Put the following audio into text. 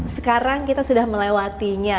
sekarang kita sudah melewatinya